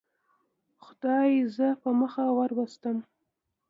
خدای زه په مخه وروستم.